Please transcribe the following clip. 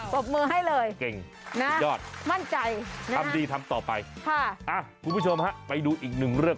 ปรบมือให้เลยนะมั่นใจนะฮะคุณผู้ชมฮะไปดูอีกหนึ่งเรื่อง